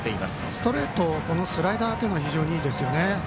ストレートスライダーというのは非常にいいですね。